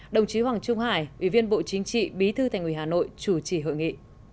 đồng chí hoàng trung hải ủy viên bộ chính trị bí thư tp hà nội chủ trì hội nghị